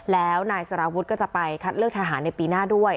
แล้วนายสารวุฒิก็จะไปคัดเลือกทหารในปีหน้าด้วย